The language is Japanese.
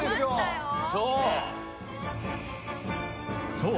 そう！